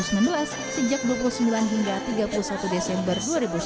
sejak dua puluh sembilan hingga tiga puluh satu desember dua ribu sembilan belas